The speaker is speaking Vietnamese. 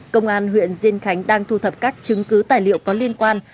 công an huyện diên khánh đang thu thập các chứng cứ tài liệu có liên quan